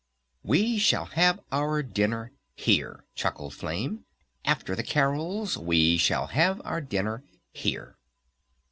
"We shall have our dinner here," chuckled Flame. "After the carols we shall have our dinner here."